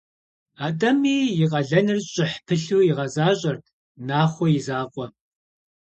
Атӏэми и къалэныр щӏыхь пылъу игъэзащӏэрт Нахъуэ и закъуэ.